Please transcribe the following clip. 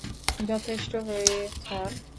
যথেষ্ট হয়ে স্যার?